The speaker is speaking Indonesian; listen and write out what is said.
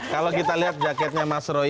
kalau kita lihat jaketnya mas roy